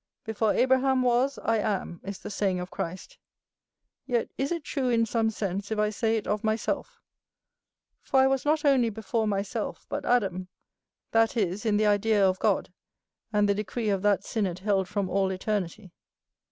"Before Abraham was, I am," is the saying of Christ, yet is it true in some sense if I say it of myself; for I was not only before myself but Adam, that is, in the idea of God, and the decree of that synod held from all eternity.